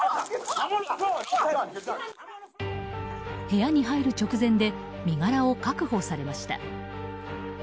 部屋に入る直前で身柄を確保されました。